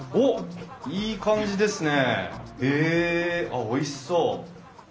あっおいしそう。